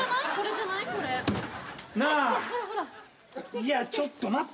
いやちょっと待って。